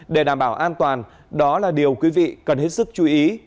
để đảm bảo an toàn đó là điều quý vị cần hết sức chú ý